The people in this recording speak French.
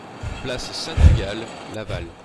Place Saint-Tugal, Laval